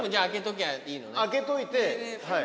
開けといてはい。